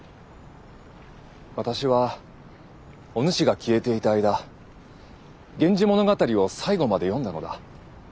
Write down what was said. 私はおぬしが消えていた間「源氏物語」を最後まで読んだのだ。